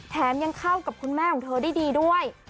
ยังเข้ากับคุณแม่ของเธอได้ดีด้วย